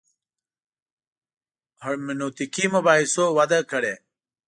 هرمنوتیکي مباحثو وده کړې.